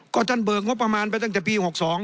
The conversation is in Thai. ก็ท่านเบิกงบประมาณไปตั้งแต่ปี๖๒